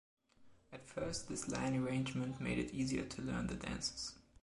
At first, this line arrangement made it easier to learn the dances.